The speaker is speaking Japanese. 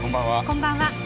こんばんは。